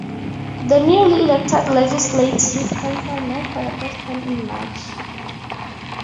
The newly elected Legislative Council met for the first time in March.